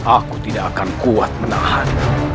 aku tidak akan kuat menahan